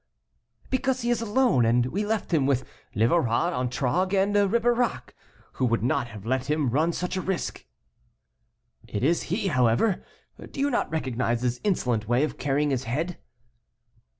"Because he is alone, and we left him with Livarot, Antragues, and Ribeirac, who would not have let him run such a risk." "It is he, however; do you not recognize his insolent way of carrying his head?"